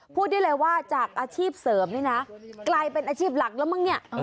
พูดได้เลยว่าจากอาชีพเสริมนี่นะกลายเป็นอาชีพหลักแล้วมั้งเนี่ย